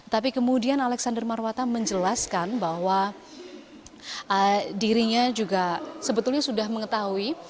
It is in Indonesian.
tapi kemudian alexander marwata menjelaskan bahwa dirinya juga sebetulnya sudah mengetahui